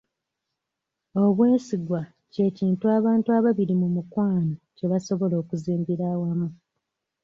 Obwesigwa ky'ekintu abantu ababiri mu mukwano kye basobola okuzimbira awamu.